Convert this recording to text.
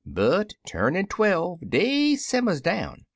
But, turnin' twelve, dey simmers down.